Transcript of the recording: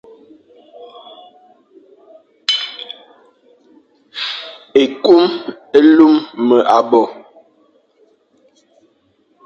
Ekum e lum me abo ;